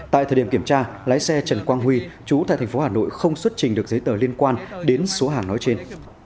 tại thời điểm kiểm tra lái xe trần quang huy chú tại tp hà nội không xuất trình được giấy tờ liên quan đến số hàng nói trên